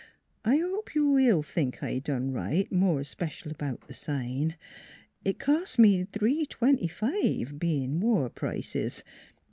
I hope you will think I done right, more especial about the sign. It cost me three twenty five, being war prices.